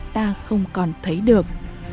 ta không còn thấy được